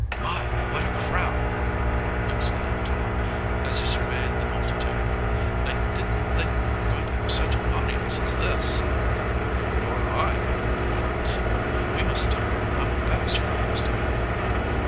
"My! what a crowd!" exclaimed Tom, as he surveyed the multitude. "I didn't think we were going to have such an audience as this!" "Nor I," returned Sam. "We must do our level best, fellows!"